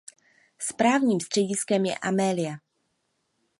Správním střediskem je Amelia.